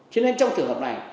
cho nên trong trường hợp này